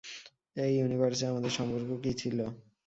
এই ইউনিভার্সে আমাদের সম্পর্ক কী ছিল?